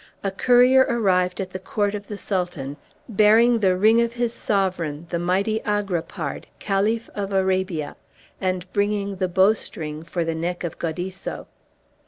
A courier arrived at the court of the Sultan, bearing the ring of his sovereign, the mighty Agrapard, Caliph of Arabia, and bringing the bow string for the neck of Gaudisso.